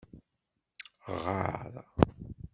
Ɣer!